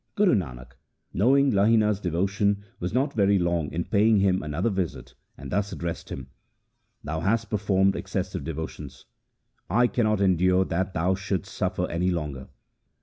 Guru Nanak, knowing Lahina's devotion, was not very long in paying him another visit, and thus addressed him :' Thou hast performed excessive devotions. I cannot endure that thou shouldst suffer any longer.